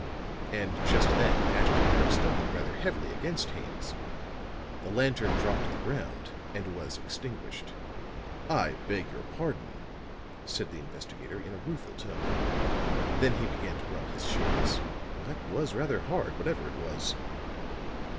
And just then Ashton Kirk stumbled rather heavily against Haines; the lantern dropped to the ground and was extinguished. "I beg your pardon," said the investigator in a rueful tone; then he began to rub his shins. "That was rather hard, whatever it was."